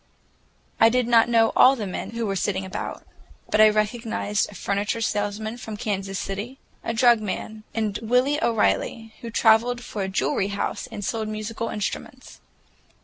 I did not know all the men who were sitting about, but I recognized a furniture salesman from Kansas City, a drug man, and Willy O'Reilly, who traveled for a jewelry house and sold musical instruments.